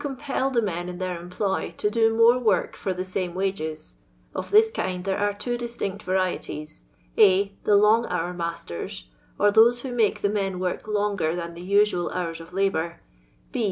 Driurt" or those who compel the men in their employ to do more work fur the lame wages ; of this kind there are two distinct varieties :— a. The long hour magUr», or those who make the men work longer than the usual hoars of labour, h.